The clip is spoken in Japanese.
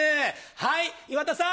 はい岩田さん！